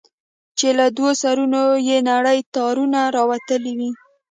چې له دوو سرونو يې نري تارونه راوتلي دي.